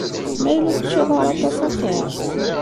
Ma yella ur teččiḍ ara aṭas axiṛ.